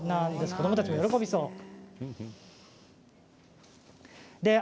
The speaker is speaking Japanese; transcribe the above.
子どもたちが喜びそうです。